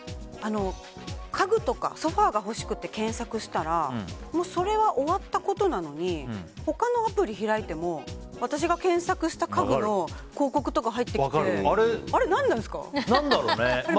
家具とかソファが欲しくて検索したらそれは終わったことなのに他のアプリを開いても私が検索した家具の広告とかが入ってきて何だろうね。